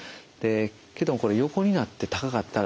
けれどもこれ横になって高かったらですね